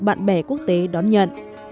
bạn bè quốc tế đón nhận